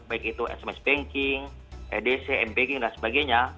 baik itu sms banking edc m banking dan sebagainya